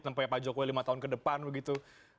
tempatnya pak jokowi lima tahun ke depan begitu